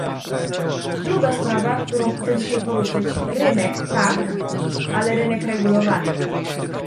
Druga sprawa, którą chcę dzisiaj poruszyć - rynek tak, ale rynek regulowany